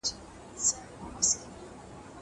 زه مخکي پاکوالي ساتلي وو!!